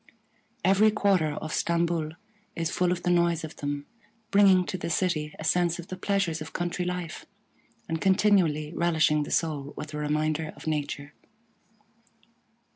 Every quarter of Stamboul is full of the noise of them, bringing to the city a sense of the pleasures of country life, and continually relishing the soul with a reminder of nature.